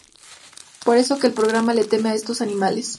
Por eso que en el programa le teme a estos animales.